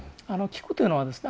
聞くというのはですね